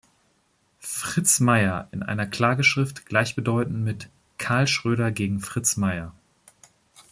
Fritz Meier“ in einer Klageschrift gleichbedeutend mit „Karl Schröder gegen Fritz Meier“.